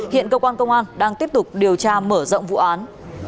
hiện cơ quan công an đang tiếp tục điều tra mở rộng vụ án